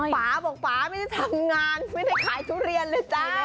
ป่าบอกป่าไม่ได้ทำงานไม่ได้ขายทุเรียนเลยจ้า